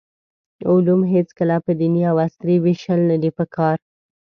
علوم هېڅکله په دیني او عصري ویشل ندي پکار.